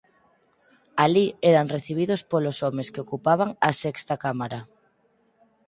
Alí eran recibidos polos homes que ocupaban a sexta cámara.